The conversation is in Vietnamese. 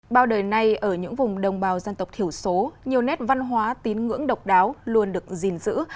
bao đời nay ở những vùng đồng bào dân tộc thiểu số nhiều nét văn hóa tín ngưỡng độc đáo luôn được gìn giữ